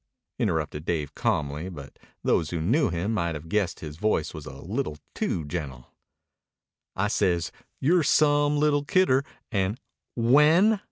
interrupted Dave calmly, but those who knew him might have guessed his voice was a little too gentle. "I says, 'You're some little kidder,' and " "When?"